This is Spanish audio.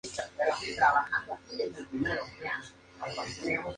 Lorelai empieza a sentir que es dejada de lado y se pelea con Rory.